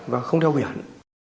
và không theo biển